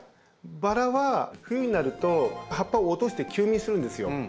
バラは冬になると葉っぱを落として休眠するんですよ。